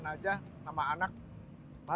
sama kayak di luar tetap lucu atau